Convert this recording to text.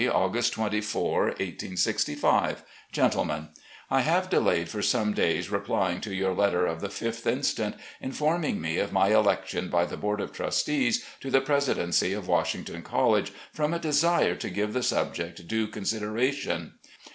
PRESIDENT OF WASHINGTON COLLEGE i8i "Powhatan County, August 24, 1865. "Gentlemen: I have delayed for some days replying to your letter of the 5th inst., informing me of my election by the board of trustees to the presidency of Washington College, from a desire to give the subject due consideration.